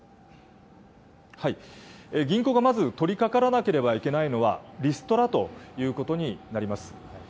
銀行がまず取りかからなければいけないのは、リストラということになります。